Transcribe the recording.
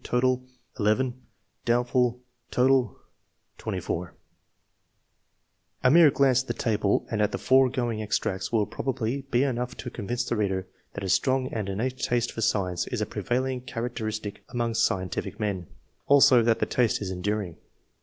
Donbtfol. 1 1 8 1 4 1 11 7 5 1 4 1 1 2 8 24 A mere glance at the table and at the foregoing extracts will probably be enough to convince the reader that a strong and innate taste for science is a prevailing characteristic among scientific men; also that the taste is enduring.